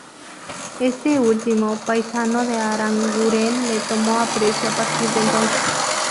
Este último, paisano de Aranguren, le tomó aprecio a partir de entonces.